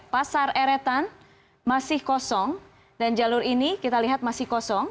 pasar eretan masih kosong dan jalur ini kita lihat masih kosong